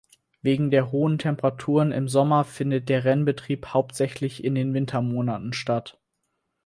Wegen der hohen Temperaturen im Sommer findet der Rennbetrieb hauptsächlich in den Wintermonaten statt.